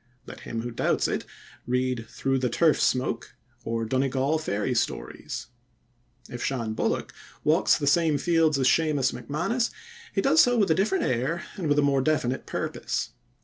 Let him who doubts it read Through the Turf Smoke or Donegal Fairy Stories. If Shan Bullock walks the same fields as Seumas MacManus, he does so with a different air and with a more definite purpose.